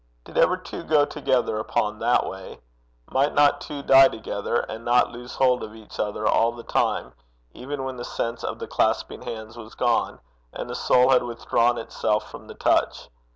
Did ever two go together upon that way? Might not two die together and not lose hold of each other all the time, even when the sense of the clasping hands was gone, and the soul had withdrawn itself from the touch?